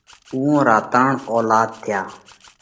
اُوئون را ترڻ اولاڌ ٿيا۔